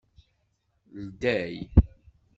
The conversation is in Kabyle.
Ldey!